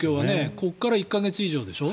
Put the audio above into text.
ここから１か月以上でしょ。